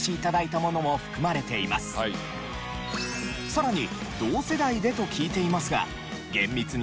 さらに。